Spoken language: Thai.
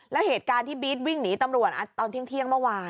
แล้วเหตุการณ์ที่บีดวิ่งหนีตำรวจอ่ะตอนเที่ยงที่เที่ยงเมื่อวาน